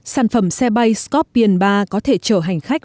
sản phẩm xe bay scorpion ba có thể trở hành khách